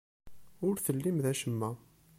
Ur tellim d acemma.